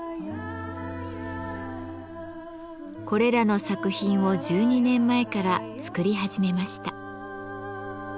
これらの作品を１２年前から作り始めました。